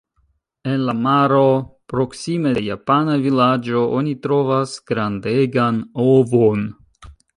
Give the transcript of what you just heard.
En la maro, proksime de japana vilaĝo oni trovas grandegan ovon.